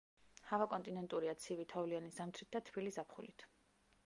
ჰავა კონტინენტურია, ცივი, თოვლიანი ზამთრით და თბილი ზაფხულით.